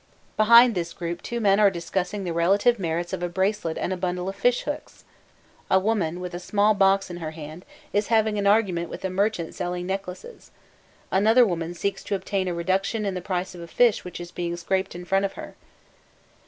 Behind this group two men are discussing the relative merits of a bracelet and a bundle of fish hooks; a woman, with a small box in her hand, is having an argument with a merchant selling necklaces; another woman seeks to obtain a reduction in the price of a fish which is being scraped in front of her.